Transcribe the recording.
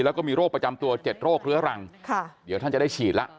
แล้วก็มีโรคประจำตัว๗โรคเรื้อรังเดี๋ยวท่านจะได้ฉีดแล้ว